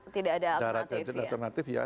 tidak ada akses tidak ada alternatif ya